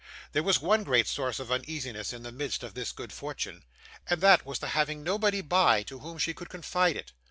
There was one great source of uneasiness in the midst of this good fortune, and that was the having nobody by, to whom she could confide it.